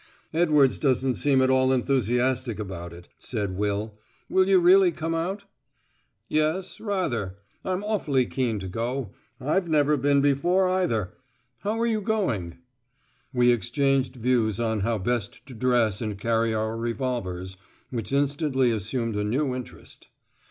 "Edwards doesn't seem at all enthusiastic about it," said Will. "Will you really come out?" "Yes, rather. I'm awfully keen to go. I've never been before, either. How are you going?" We exchanged views on how best to dress and carry our revolvers, which instantly assumed a new interest.